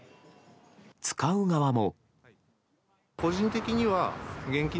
使う側も。